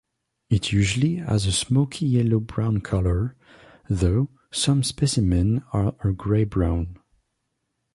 It usually has a smokey yellow-brown colour, though some specimens are a grey-brown.